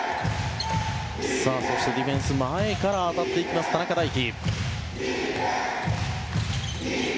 そして、ディフェンス前から当たっていく田中大貴。